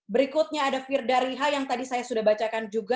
berikutnya ada firdariha yang tadi saya sudah bacakan juga